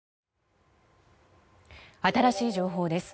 新しい情報です。